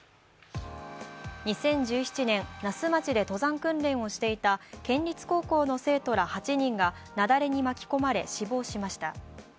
２０１７年、那須町で登山訓練をしていた県立高校の生徒ら８人が、雪崩に巻き込まれ死亡しました。